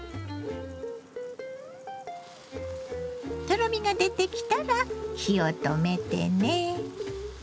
とろみが出てきたら火を止めてね。